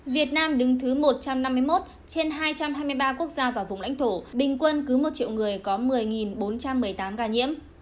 việt nam đứng thứ một trăm năm mươi một trên hai trăm hai mươi ba quốc gia và vùng lãnh thổ bình quân cứ một triệu người có một mươi bốn trăm một mươi tám ca nhiễm